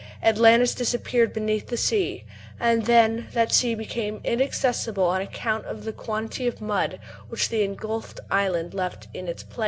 Atlantis disappeared beneath the sea; and then that sea became inaccessible on account of the quantity of mud which the ingulfed island left in its place."